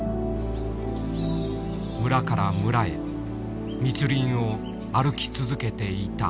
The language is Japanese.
村から村へ密林を歩き続けていた。